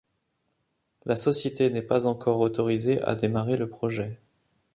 La société n'est pas encore autorisée à démarrer le projet.